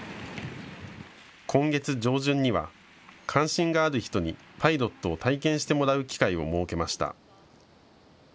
今月上旬には関心がある人にパイロットを体験してもらう機会を設けました。